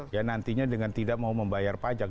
ya nantinya dengan tidak mau membayar pajak